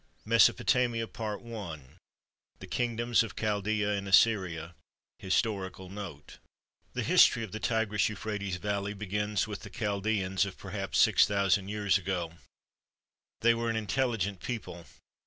MESOPOTAMIA I THE KINGDOMS OF CHALD^A AND ASSYRIA HISTORICAL NOTE The history of the Tigris Euphrates Valley begins with the Chaldaeans of perhaps six thousand years ago. They were an intelligent people.